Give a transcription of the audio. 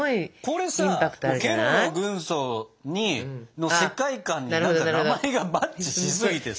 これさケロロ軍曹の世界観に名前がマッチしすぎてさ。